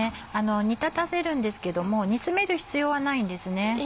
煮立たせるんですけども煮詰める必要はないんですね。